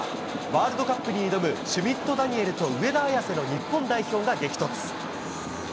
ワールドカップに挑むシュミット・ダニエルと上田綺世の日本代表が激突。